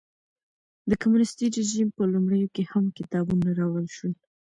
د کمونېستي رژیم په لومړیو کې هم کتابونه راوړل شول.